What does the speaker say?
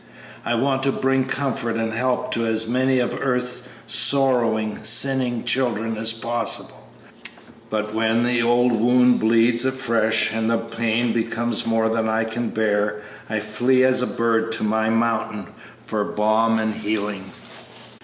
I want to bring comfort and help to as many of earth's sorrowing, sinning children as possible; but when the old wound bleeds afresh and the pain becomes more than I can bear I flee as a bird to my mountain for balm and healing.